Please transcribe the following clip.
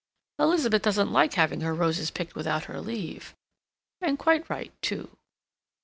Elizabeth doesn't like having her roses picked without her leave, and quite right, too."